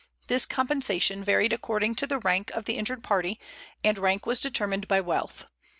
This compensation varied according to the rank of the injured party, and rank was determined by wealth.